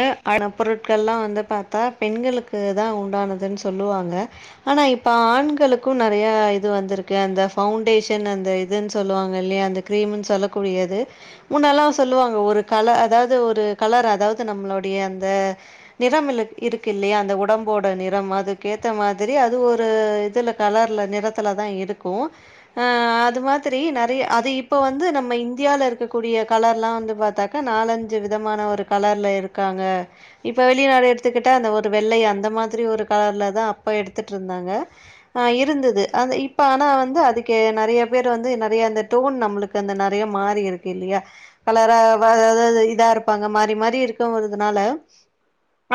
அ அது நா பொருட்கள்ல்லா வந்து பாத்தா பெண்களுக்கு தா உண்டானதுன் சொல்லுவாங்க ஆனா இப்ப ஆண்களுக்கு நெறய இது வந்து அந்த ஃபவுண்டேஷன் அந்த இதுன் சொல்லுவாங்க இல்லயா அந்த கிரீம்னு சொல்லக்கூடியது முன்னல்லா சொல்ல சொல்லுவாங்க ஒரு கல அதாது ஒரு கலர் அதாது நம்மளுடைய அந்த நிறம் இருக்கு இல்லையா அந்த உடம்போட நிறம் அதுக்கு ஏத்த மாதிரி அது ஒரு இதுல கலர்ல நிறத்துல தா இருக்கு அது மாதிரி நெறய அது இப்ப வந்து நம்ம இந்தியால இருக்கக்கூடிய கலர்ல்லா வந்து பாத்தாக்க நாலஞ்சு விதமான ஒரு கலர் ல இருக்காங்க இப்ப வெளிநாடு எடுத்துக்கிட்டா அந்த ஒரு வெள்ளை அந்த மாதிரி ஒரு கலர்ல தா அப்ப எடுத் துட்டு இருந்தாங்க இருந்தது அது இப்ப ஆனா வந்து அதுக்கு நெறய பேர் வந்து நெறய அந்த டூ டோன் நம்மளுக்கு அந்த நெறய மாறி இருக்கு இல்லையா கலரா இதா இருப்பாங்க மாறி மாறி இருக் வருதுனால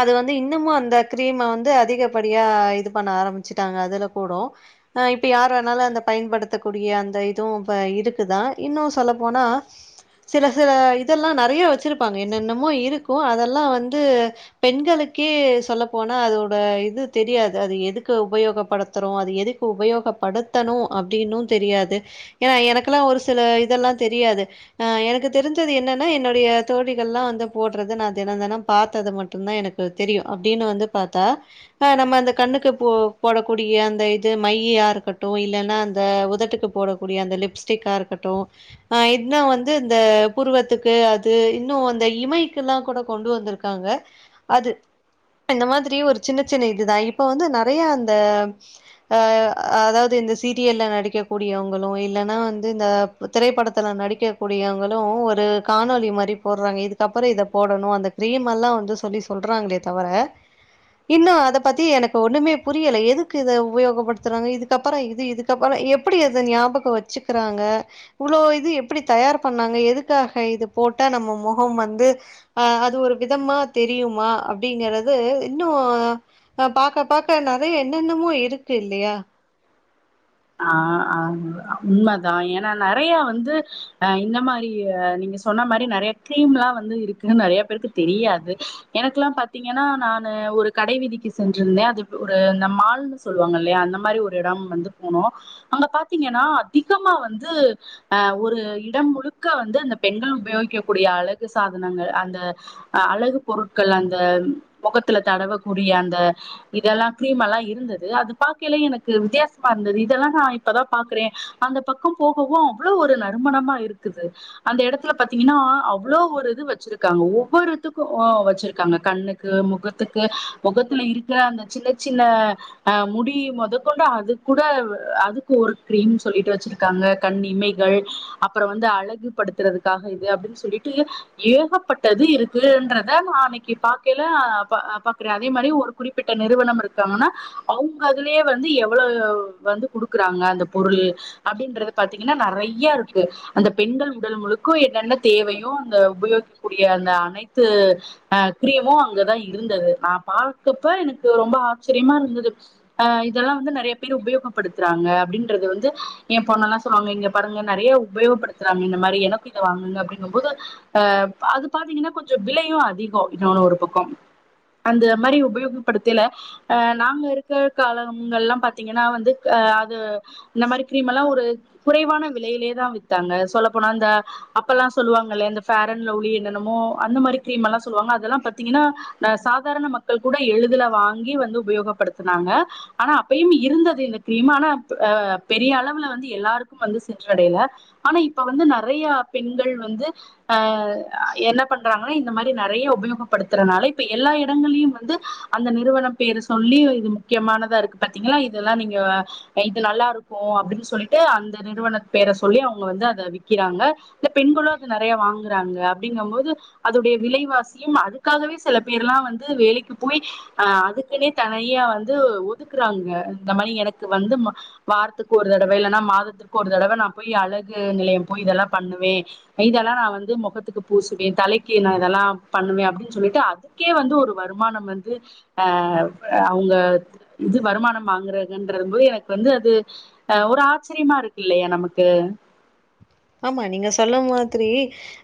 அது வந்து இன்னமு அந்த கிரீமை வந்து அதிகப்படியா இது பண்ண ஆரம்பிச்சுட்டாங்க அதுல கூடொ அ இப்ப யார்ரு வேணாலு அந்த பயன்படுத்தக்கூடிய அந்த இதுவு இப்ப இருக்குதா இன்னு சொல்லபோனா சில சில இதெல்லா நெறய வச்சிருப்பாங்க என்னென்னமோ இருக் அதெல்லா வந்து பெண்களுக்கே சொல்ல போனா அதோட இது தெரியாது அது எதுக்கு உபயோகப்படுத்துறோ அது எதுக்கு உபயோகப்படுத்தணு அப்படின்னு தெரியாது ஏனா எனக்குல்லா ஒரு சில இதெல்லா தெரியாது எனக்கு தெரிஞ்சது என்னன்னா என்னுடைய தோழிகள்லா வந்து போட் றது நா தென தெனம் பாத்தது மட்டுந்தா எனக்கு தெரியு அப்படின்னு வந்து பாத்தா நம்ம அந்த கண்ணுக்கு போ போடக்கூடிய அந்த இது மையா இருக்கட்டு இல்லன்னா அந்த உதட்டுக்கு போடக்கூடிய அந்த லிப்ஸ்டிக் க்கா இருக்கட்டு அ இதுனா வந்து இந்த புருவத்துக்கு அது இன்னு அந்த இமைக் கெல்லா கூட கொண்டு வந்திருக்காங்க அது இந்த மாதிரி ஒரு சின்ன சின்ன இதுதா இப்ப வந்து நெறய அந்த அ அதாது இந்த சீரியல்ல நடிக்க கூடியவங்களு இல்லன்னா வந்து இந்த திரைப்படத்துல நடிக்கக்கூடியவங்களு ஒரு காணொலி மாரி போறாங்க இதுக்கப்புற இதப் போடணு அந்த கிரீம் எல்லா வந்து சொல்லி சொல்றாங்களே தவர இன்னும் அத பத்தி எனக்கு ஒண்ணுமே புரியலை எதுக்கு இத உபயோகப்படுத்துறாங்க இதுக்கப்பற இது இதுக்கப்பற எப்படி அத ஞாபக வச்சுக்கிறாங்க இவ்ளோ இது எப்படி தயார் பண்ணாங்க எதுக்காக இது போட்டா நம்ம முகம் வந்து அ அது ஒரு விதமா தெரியுமா அப்டிங்கறது இன்னு பாக்க பாக்க அதய என்னென்னமோ இருக்கு இல்லையா ஆ ஆ உண்மதா ஏன்னா நெறய வந்து அ இந்த மாரி நீங்க சொன்ன மாரி நெறய கிரீம்லா வந்து இருக்குனு நெறய பேருக்கு தெரியாது எனக்குல்லா பாத்தீங்கன்னா நானு ஒரு கடை வீதிக்கு சென்றிருந்த அது ஒரு மால்னு சொல்லுவாங்க இல்லையா அந்த மாரி ஒரு இடம் வந்து போனோ அங்க பாத்தீங்கன்னா அதிகமா வந்து அ ஒரு இடம் முழுக்க வந்து அந்த பெண்கள் உபயோகிக்கக்கூடிய அழகு சாதனங்கள் அந்த அழகு பொருட்கள் அந்த கத்துல தடவக்கூடிய அந்த இதெல்லா கிரிமெல்லா இருந்தது அது பாக்கைல எனக்கு வித்தியாச இருந்தது இதெல்லா நா இப்பதா பாக்குறே அந்த பக்கம் போகவும் அவ்வளோ ஒரு நறுமணமா இருக்குது அந்த இடத்துல பாத்தீங்கன்னா அவ்ளோ ஒரு இது வச்சிருக்காங்க ஒவ்வொருத்துக்கு வச்சிருக்காங்க கண்ணுக்கு முகத்துக்கு முகத்துல இருக்கிற அந்த சின்ன சின்ன அ முடி மொத கொண்டு அதுக் கூட அதுக்கு ஒரு கிரீம் சொல்லிட்டு வச்சிருக்காங்க கண்இமைகள் அப்புற வந்து அழகுப் படுத்துறதுக்காக இது அப்டின் சொல்லிட்டு ஏகப்பட்டது இருக்குன்றத நா அன்னைக்கு பாக்கையில பாக்குற அதே மாரி ஒரு குறிப்பிட்ட நிறுவனம் இருக்காங்கன்னா அவங்க அதுலயே வந்து எவ்வள வந்து குடுக்குறாங்க அந்த பொருள் அப்படின்றது பாத்தீங்கன்னா நெறைய இருக்கு அந்த பெண்கள் உடல் என்னென்ன தேவையோ அந்த உபயோகிக்கக்கூடிய அந்த அனைத்து அ கிரீமு அங்கதா இருந்தது நா பாக்கப்ப எனக்கு ரொம்ப ஆச்சரியமா இருந்தது அ இதெல்லா வந்து நெறைய உபயோகப்படுத்துறாங்க அப்படின்றது வந்து ஏ போன மாச வாங்க இங்க பாருங்க நெறைய உபயோகப்படுத்துறாங்க மாி எனக்கு இத வாங்கனுனு அப்படிங்கும்போது அது பாத்தீங்கன்னா கொஞ்ச விலையும் அதிக இன்னொன்னு ஒரு பக்கம் [inaudible] அந்த மாரி உபயோகப்படுத்தல அ நாங்க இருக்க காலங்கல்லா பாத் தீங்கன்னா வந்து அ அது இந்த மாரி கிரீமெல்லா ஒரு குறைவான விலையிலே தா வித்தாங்க சொல்லப் போனா அந்த அப்பல்லா சொல்லுவாங்கல்ல அந்த ஃபேரண் லவ்லி என்னென்னமோ அந்த மாரி கிரீமெல்லா சொல்லுவாங்க அதெல்லா பாத்தீங்கன் னா அ சாதாரண மக்கள் கூட எளிதுல வாங்கி வந்து உபயோகப்படுத்துனாங்க ஆனா அப்பயு இ இருந்தது இந்த கிரீமு ஆனா அப் அ பெரியளவுல வந்து எல்லாருக்கும் வந்து சென்றடையல ஆனா இப்ப வந் து நெறைய பெண்கள் வந்து ஆ அ என்ன பண்றாங்கனா இந்த மாரி நெறைய உபயோகப்படுத்தற னால இப்ப எல்லா எடங்கள்லியு வந்து அந்த நிறுவனம் பேரு சொல்லி இது முக்கியமானதா இருக்கு பாத்தீங்களா இதெல்லா நீங்க இது நல்லாருக்கு அப்படின் சொல்லிட்டு அந்த நிறுவன பேர சொல்லி அவுங்க வந்து அத விக் கிறாங்க அ பெண்களு அத நெறைய வாங் கறாங்க அப்டிங்கம்போது அதோடைய விலைவாசியு அதுக்காகவே சில பேரெல்லா வந்து வேலைக்கு போய் அ அதுக்குன்னே தனியா வந்து ஒதுக்கறாங்க இந்த மாரி எனக்கு வந்து ம வாரத்துக் ஒரு தடவ இல்லன்னா மாதத்திற்கு ஒரு தடவ நா போய் அழகு நிலையம் போய் இதெல்லா பண்ணுவே இதெல்லா நா வந்து மொகத்துக்கு பூசுவே தலைக்கு நா இதெல்லா பண்ணுவே அப்டின் சொல்லிட்டு அதுக்கே வந்து ஒரு வருமானம் வந்து அ அ அவுங்க இது வருமானம் வாங்குறாங்கன்றபோது எனக் வந்து அது அ ஒரு ஆச்சிரியமா இருக்கில்லயா நமக்கு [inaudible] ஆமா நீங்க சொல்ல மாதிரி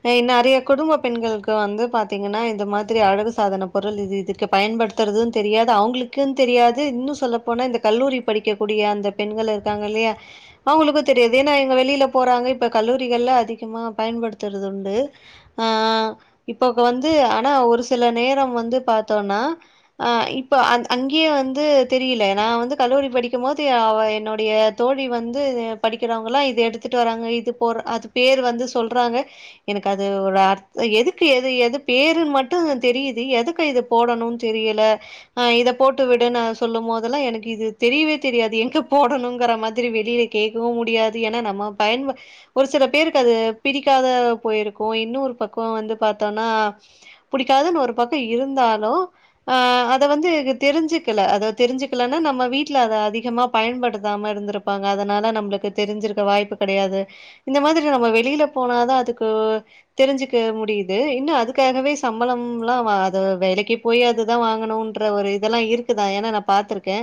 அ நெறைய குடும்ப பெண்கள்க்கு வந்து பாத்தீங்கன்னா இந்த மா திரி அழகு சாதன பொருள் இது இதுக்கு பயன்படுத்தறது தெரியாது அவுங்களுக்கு தெரியாது இன்னு சொல்லப்போனா இந்த கல்லூரி படிக்கக்கூடிய அந்த பெண்கள் இருக்காங்க இல்லியா அவுங்களுக்கு தெரியாது ஏன்னா இவுங்க வெளில போறாங்க இ ப்ப கல்லூரிகள்ல அதிகமா பயன்படுத்தறதுண்டு ஆ ஆ இப்போ இப்ப வந்து ஆனா ஒரு சில நேரம் வந்து பாத்தோன்னா ஆ இப்ப அந் அங்கியே வந்து தெரியில நா வந்து கல்லூரி படிக்கும்போது அவ என்னுடைய தோழி வந்து படிக்கறவங்கல்லா இது எடுத்துட்டு வராங்க இது போட்ற அது பேர் வந்து சொல்றாங்க எனக்கு அது ஓ அர்த் எதுக்கு எது எது பேருன் மட்டு ம் தெரியிது எதுக்கு இது போடணு தெரியல அ இத போட்டு விடுன்னு சொல்லும் போதெல்லா எனக்கு இ து தெரியவே தெரியாது எங்க போடணுங்கற மாதிரி வெளில கேக்கவு முடியாது ஏனா நம்ம பயன்ப ஒரு சில பேருக்கு அது பிடிக்காத போயிருக்கு இன்னோரு பக்கோ வந்து பாத்தோனா புடிக்கா லதுன் ஒரு பக்கோ இருந்தாலு அ அத வந்து கு தெரிஞ்சுக்கல அத தெரிஞ்சுக்கலன்னா நம்ம வீட்ல அத அதிகமா பயன்படுத்தாம இருந்திருப்பாங்க அதனால நம்ளுக்கு தெரிஞ்சிருக்க வாய்ப்பு கெடையாது இந்த மாதிரி நம்ம வெளில போனாதா அதுக்கு தெரிஞ்சிக்க முடியிது இன்னு அதுக்காகவே சம்பளம் ங்கலா வ அது வேலைக்கு போய் அதுதா வாங்கணுன்ற ஒரு இதெல்லா இருக்கு தா ஏனா நா பாத்திருக்கே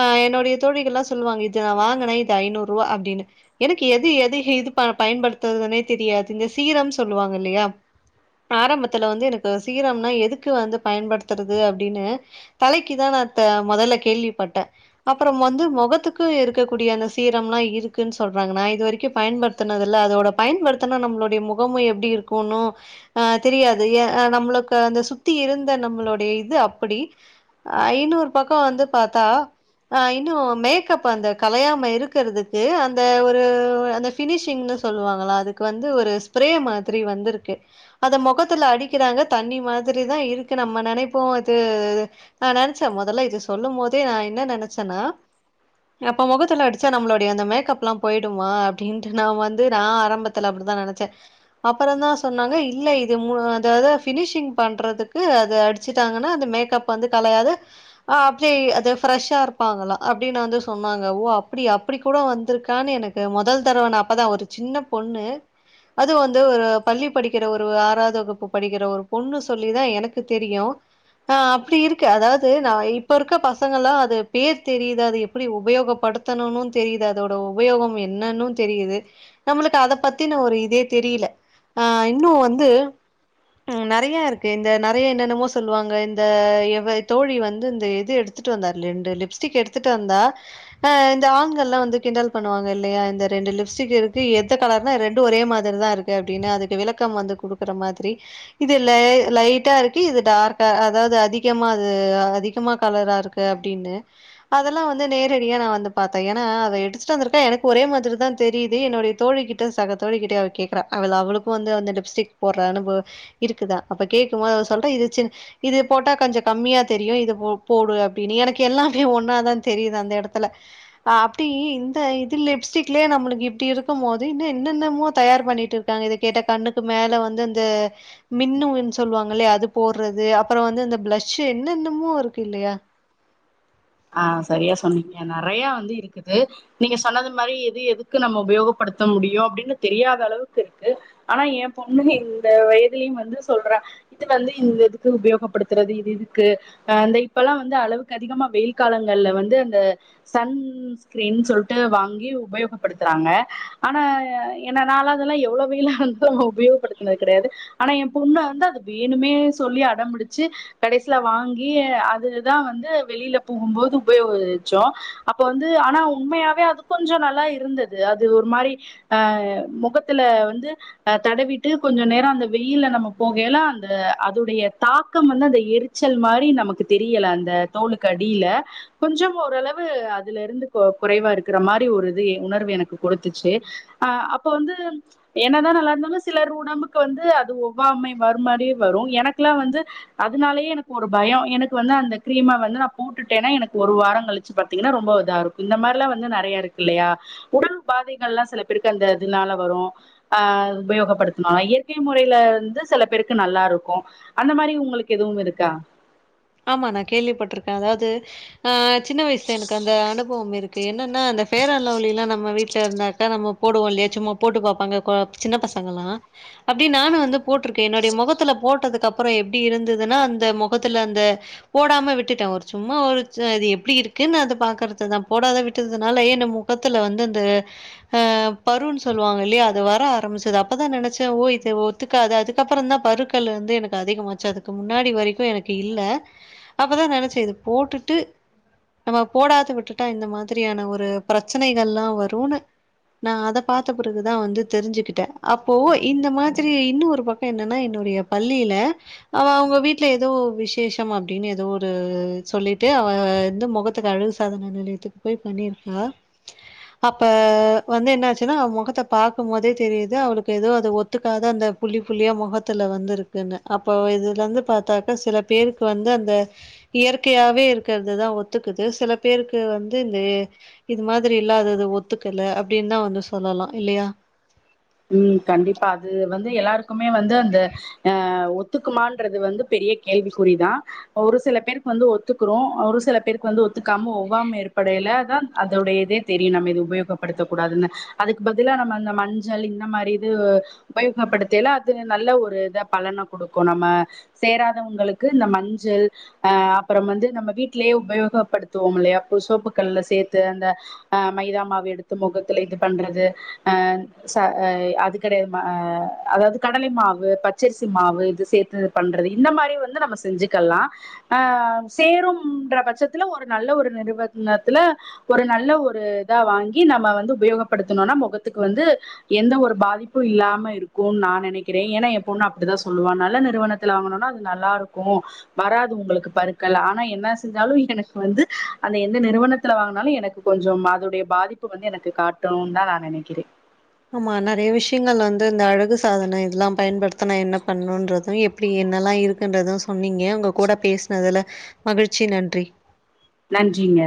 அ என்னுடய தோழிகள்லா சொல்வாங்க இது நா வாங்கனே இது ஐநூர்ருவா அப்டினு எனக்கு எது எது இது ப பயன்படுத்தறதுன்னே தெரியாது இந்த சீரம் சொல்லுவாங்க இல்லியா ஆரம்பத்துல வந்து எனக்கு சீரம்னா எதுக்கு வந்து பயன்படுத்தறது அப்டினு தலைக்கு தா அத்த மொதல்ல கேள்விப்பட்டே அப்றம் வந்து மொகத்துக்கு இருக்கக்கூடிய அந்த சீரம்ல்லா இருக்குன் சொல்றாங்க நா இது வரைக்கு பயன்படு த்துனதில்ல அதோட பயன்படுத்துனா நம்ளுடைய முகமு எப்டி இருக்குன்னு ஆ தெரியாது எ அ நம்ளு க்கு அந்த சுத்தி இருந்த நம்ளுடைய இது அப்படி ஐநூர் பக்கோ வந்து பாத்தா ஆ இன்னு மேக்கப் அந்த கலையாம இருக்கறதுக்கு அந்த ஒரு அந்த ஃபினிஷிங்னு சொல்லுவாங்கல்ல அதுக்கு வந்து ஒரு ஸ்ப்ரே மாதிரி வந்திருக்கு அத மொகத்துல அடிக்கிறாங் க தண்ணி மாதிரி தா இருக்கு நம்ம நெனைப்போ அது நா நெனச்சே மொதல்ல இது சொல்லும்போதே நா என்ன நெனச்சன்னா அப்ப மொகத்துல அடிச்சா நம்ளுடைய அந்த மேக்கப்லா போய்டுமா அப்டின்ட்டு நா வந்து நா ஆரம்பத்துல அப்டிதா நெனச்சே அப்பறந்தா சொன்னாங்க இல்ல இது மு அது எதோ ஃபினிஷிங் பண்றதுக்கு அது அடிச்சிட்டாங்கன்னா அந்த மேக்கப் வந்து கலையாது ஆ அப்டி அது ஃப்ரெஷ்ஷா இருப்பாங்களா அப்டினு வந்து சொன்னாங்க ஓ அப்டியா அப்டி கூட வந்திருக்கானு எனக்கு மொதல் தடவ நா அப்பதா ஒரு சின்னப் பொண்ணு அது வந்து ஒரு பள்ளி படிக்கற ஒரு ஆறாவ்து வகுப்பு படிக்கற ஒரு பொண்ணு சொல்லி தா எனக்கு தெரியு ஆ அப்டி இருக்கு அதாவது நா இப்ப இருக்க பசங்கெல்லா அது பேர் தெரியிது அது எப்டி உபயோகப் படுத்தனுனு தெரியிது அதோட உபயோகம் என்னன்னு தெரியிது நம்மளுக்கு அத பத்தின ஒரு இதே தெரியில ஆ இன்னு வந்து ம் நெறைய இருக்கு இந்த நெறைய என்னன்னமோ சொல்வாங்க இந்த இவ தோழி வந்து இந்த இது எடுத் வந்த ரெண்டு லிப்ஸ்டிக் எடுத்துட்டு வந்தா இந்த ஆண்கள்லா வந்து கிண்டல் பண்ணுவாங்க இல்லயா இந்த ரெண்டு லிப்ஸ்டிக் இருக்கு எந்த கலர்னா ரெண்டு ஒரே மாதிரிதாருக்கு அப்படின்னு அதுக்கு விளக்கம் வந்து குடுக்குற மாதிரி இது லைட்டா இருக்கு இது டார்க்கா அதாவது அதிகமா அது அதிகமா கலரா இருக் கு அப்டின்னு அதெல்லா வந்து நேரடியா நா வந்து பாத்தே ஏன்னா அத எடுத்துட்டு வந்திருக்கே எனக்கு ஒரே மாதிரி தா தெரியுது என்னுடைய தோழிகிட்ட சக தோழிகிட்ட அவ கேக்குறா அவள அவளுக்கு வந்து வந்து லிப்ஸ்டிக் போட்ற அனுப இருக்குதா அப்ப கேக்கும் போது அத சொல்ற இது இது போட்டா கொஞ்ச கம்மியா தெரியு இது போடு அப் இ எனக்கு எல்லாமே ஒன்னா தா தெரியுது அந்த எடத்துல அப்டி இந்த இது லிப்ஸ்டிக் வீட்லயே நம்மளுக் இப்டி இருக்கும் போது இன்னு என்னென்னமோ தயார் பண்ணிட்டு இருக்காங்க இதை கேட்ட கண்ணுக்கு மேல வந்து இந்த மின்னு இன் சொல்வாங்கில்லயா அது போட்றது அப்பறம் வந்து இந்த பிளஷு என்னென்னமோ இருக்கு இல்லயா அ சரியா சொன்னீங்க நெறைய வந்து இருக்குது நீங்க சொன்னது மாரி எது எதுக்கு நம்ம உபயோகப்படுத் நடத்த முடியும் அப்டின்னு தெரியாத அளவுக்கு இருக்கு ஆனா எ பொண்ணு இந்த வயதிலயும் வந்து சொல்றா இது வந்து இந்த இதுக்கு உபயோகப்படுத்துறது இது இதுக்கு அந்த இப்பல்லா வந்து அளவுக்கு அதிகமா வெயில் காலங்கள்ல வந்து அந்த சன்ஸ்கிரீன் சொல்ட்டு வாங்கி உபயோகப்படுத்துறாங்க ஆனா என்ன நால அதெல்லாம் எவ்ளோ வெயிலா வந்து உபயோகப்படுத்துனது கெடையாது ஆனா எ பொண்ணு வந்து வேணுமே சொல்லி அடம் புடிச்சு கடைசியில வாங்கி அதுதா வந்து வெளில போம்போது உபயோகிச்சோ அப்ப வந்து ஆனா உண்மையாவே அது கொஞ்ச நல்லா இருந்தது அது ஒரு மாரி முகத்துல வந்து தடவிட்டு கொஞ்ச நேர அந்த வெயில்ல நம்ம போகே ல அந்த அதுடைய தாக்கம் வந்து அந்த எரிச்சல் மாரி நமக்கு தெரியல அந்த தோலுக் கடியில கொஞ்சம் ஓரளவு அதுல இருந்து குறைவா இருக்கிற மாரி ஒரு இது உணர்வு எனக்கு கொடுத்துச்சு அப்ப வந்து என்னதா நல்லா இருந்தாலும் சிலர் உடம்புக்கு வந்து அது ஒவ்வா மை வரு மாரியே வரும் எனக்குலாம் வந்து அதுனாலயே எனக்கு ஒரு பயம் எனக்கு வந்து அந்த கிரீமை வந்து நா போட்டுட்டேனா எனக்கு ஒரு வார கழிச்சு பாத்தீங்கனா ரொம்ப இதா இருக்கும் இந்த மாரில்லா வந்து நெறைய இருக்குல்லயா உடல் பாதைகள்லா சில பேருக்கு அந்த இதுனால வரும் உபயோகப்படுத்த இயற்கை முறையில வந்து சில பேருக்கு நல்லாருக்கும் அந்த மாரி உங்களுக்கு எதுவு இருக்கா ஆமா நா கேள்விப்பட்ருக்கேன் அதாவது ஆ சின்ன வயசுல எனக்கு அந்த அனுபவம் இருக் கு என்னன்னா அந்த ஃபேர் அன்ட் லவ்லிலாம் நம்ம வீட்டுல இருந்தாக்க நம்ம போடுவோ இல்லயா சும்மா போட்டு பாப்பாங்க சின்ன பசங் களா அப்டி நானு வந்து போட்ருக்கேன் என்னுடைய மொகத்துல போட்டதுக்கு அப்றம் எப்படி இருந்ததுனா அந்த மொ கத்துல அந்த போடாம விட்டுட்டே ஒரு சும்மா ஒரு அது எப்டி இருக்குன்னு அத பாக்கறது தா போடாத விட்டதுனாலயே முகத்துல வந்து அந்த பருன்னு சொல்லுவாங்க இல்லயா அது வர ஆரம்பிச்சது அப்பதான் நினச்சே ஓ இது ஒத்துக்காது அதுக்கப்புறந்தா பருக்கல் வந்து எனக்கு அதிகமாச்சு அதுக்கு முன்னாடி வரைக்கு எனக்கு இல்ல அப்பதா நினச்சே இது போட்டுட்டு நம்ம போடாது விட்டுட்டா இந்த மாதிரியான ஒரு பிரச்சனைகள்லா வருன்னு நான் அத பாத்த பிறகுதா வந்து தெரிஞ்சுக்கிட்டே அப்போ இந்த மாதிரி இன்னொரு பக்க என்னன்னா [unintelligible] பள்ளியில அவ அவங்க வீட்ல ஏதோ விஷேஷ அப்படின்னு ஏதோ ஒரு சொல்லிட்டு அவ வந்து மொகத்துக்கு அழுகு சாதன நிலையத்துக் போய் பண்ணிருக்கா அ அப்ப வந்து என்னாச்சுனா அவ மொகத்தை பாக்கும் போதே தெரியுது அவளுக்கு ஏதோ அது ஒத்துக்காத அந்த புள்ளி புள்ளிய மொகத்துல வந்து இருக்குன்னு அப்போ இதுல வந்து பாத்தாக்க சில பேருக் வந்து அந்த இயற்கையாவே இருக்கறதுதா ஒத்துக்குது சில பேருக்கு வந்து இந்த இது மாதிரி இல்லாதது ஒத்துக்கல அப்டின்னு தா வந்து சொல்லலா இல்லயா ம் கண்டிப்பா அது வந்து எல்லாருக்குமே வந்து அந்த ஒத்துக்குமான்றது வந்து பெரிய கேள்விக்குறிதா ஒரு சில பேருக்கு வந்து ஒத்துக்குரு ஒரு சில பேருக்கு வந்து ஒத்துக்காம ஒவ்வாம ஏற்படயில தா அதோடயிதே தெரியு நம்மது உபயோகப்படுத்த கூடாதுன்னு அதுக்கு பதிலா நம்ம அந்த மஞ் சள் இந்த மாரி இது உபயோகப்படுத்தேல அது நல்ல ஒரு இத பலன குடுக்கு நம்ம சேராதவங்களுக்கு இந்த மஞ்சள் அ அப்றம் வந்து நம்ம வீட்லயே உபயோகப்படுத்துவோல்லையா சோப்புக்கல்ல சேத்து அந்த அ மைதா மாவு எடுத்து மொகத்துல இது பண்றது அ அது கெடையாது மா அ அதாவ்து கடலை மாவு பச்சரிசி மாவு இது சேத்து பண்ற இந்த மாரி வந்து நம்ம செஞ்சுக்கல்லா சேரும் ன்ற பட்சத்துல ஒரு நல்ல ஒரு நெரு த்துல ஒரு நல்ல ஒரு இதா வாங்கி நம்ம வந்து உபயோகப்படுத்துணோனா மொகத்துக்கு வந்து எந்த ஒரு பாதிப்பு இல்லாம இருக்குன் நா நெனைக்கிறே ஏன்னா என் பொன்னு அப்டித்தா சொல்லுவா நல்ல நிறுவனத்துல ங்னொனா அது நல்லா ருக்கு வராது உங்களுக்கு பருக்கள் ஆனா என்ன செஞ்சாலு எனக்கு வந்து அந்த எந்த நிறுவனத்துல வாங்குனாலும் எனக்கு கொஞ்சம் அதுடைய பாதிப்பு வந்து எனக்கு காட்டுன் தா நா நெனக்கிறே ஆமா நெறைய விஷயங்கள் வந்து இந்த அழகு சாதனை இதெல்லா பயன்படுத்துனா என்ன பண்ணுன்றது எப்டி என்ன ல்லா இருக்குன்றது சொன்னிங்க உங்க கூட பேசுனதுல மகிழ்ச்சி நன்றி நன்றிங்க